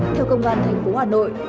theo công an thành phố hà nội